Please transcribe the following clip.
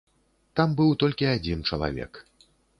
Там быў толькі адзін чалавек.